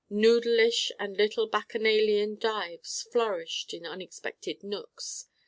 Noodle ish and little bacchanalian dives flourished in unexpected nooks.